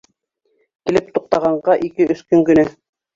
Килеп туҡтағанға ике-өс көн генә.